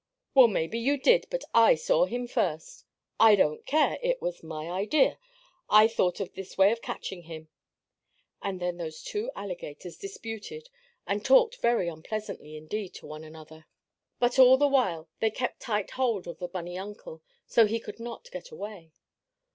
"Well, maybe you did, but I saw him first." "I don't care! It was my idea. I first thought of this way of catching him!" And then those two alligators disputed, and talked very unpleasantly, indeed, to one another. But, all the while, they kept tight hold of the bunny uncle, so he could not get away.